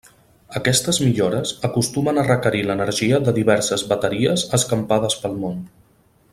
Aquestes millores acostumen a requerir l'energia de diverses bateries escampades pel món.